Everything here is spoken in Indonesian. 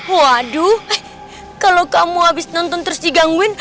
waduh kalau kamu habis nonton terus digangguin